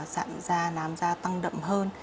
sạm da nám da tăng đậm hơn